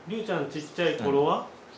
ちっちゃい頃は？